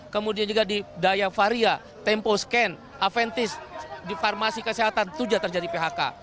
kemudian juga di dayavaria tempo scan aventis di farmasi kesehatan itu juga terjadi phk